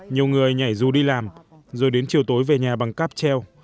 nhiều người nhảy dù đi làm rồi đến chiều tối về nhà bằng cáp treo